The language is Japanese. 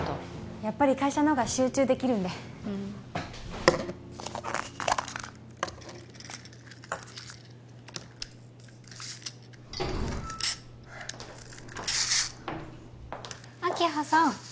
やっぱり会社のほうが集中できるんでふん明葉さん